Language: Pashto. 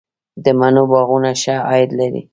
د مڼو باغونه ښه عاید لري؟